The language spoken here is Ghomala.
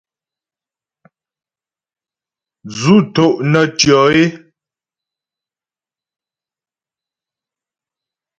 Dzʉ́ tó’ nə́ tʉɔ é.